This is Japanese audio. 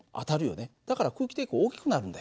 だから空気抵抗大きくなるんだよ。